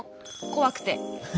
怖くて。